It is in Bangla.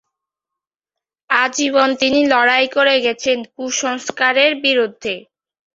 আজীবন তিনি লড়াই করে গেছেন কুসংস্কারের বিরুদ্ধে।